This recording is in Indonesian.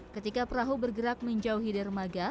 ketika perahu bergerak menjauhi dermaga